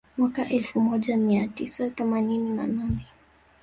Mwaka elfu moja mia tisa themanini na nane